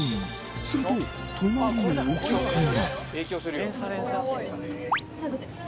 すると、隣のお客が。